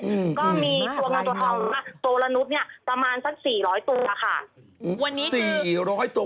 ก็มีตัวเงินตัวทองตัวละนุดเนี่ยประมาณสักสี่ร้อยตัวค่ะ